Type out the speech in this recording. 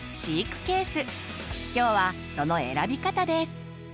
今日はその選び方です。